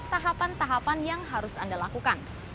tahapan tahapan yang harus anda lakukan